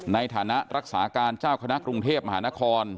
ในฐานะรักษาการเจ้าคณะกรุงเทพมหานคร